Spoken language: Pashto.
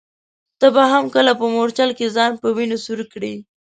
ته به هم کله په مورچل کي ځان په وینو سور کړې ؟